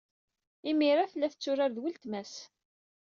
Imir tella tetturar d uletma-s.